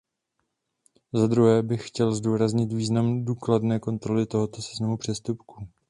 Zadruhé bych chtěl zdůraznit význam důkladné kontroly tohoto seznamu přestupků.